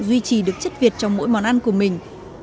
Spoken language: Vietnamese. duy trì được chất việt trong mỗi món ăn của mình